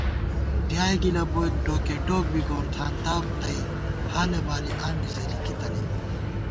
ڈیائے گِلہ بوئیت ڈوکے ڈوک ، گورتھانتا تئ ، حالہ بالی آں بی زِلِکی تنَئیم